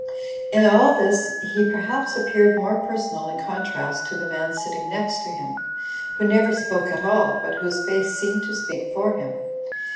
In all this he perhaps appeared more personal in contrast to the man sitting next to him, who never spoke at all but whose face seemed to speak for him.